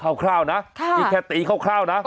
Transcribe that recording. เอาคร่าวนะมีแค่ตีคร่าวนะ